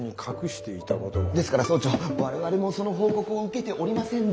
ですから総長我々もその報告を受けておりませんで。